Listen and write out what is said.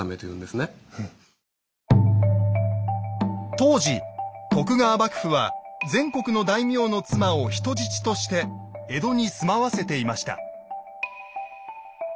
当時徳川幕府は全国の大名の妻を人質として江戸に住まわせていました。